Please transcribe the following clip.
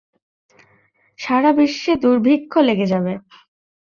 সারাবিশ্বে দূর্ভিক্ষ লেগে যাবে।